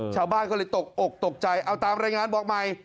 ชาวบ้านก็เลยตกอกตกใจเอาตามรายงานบอกใหม่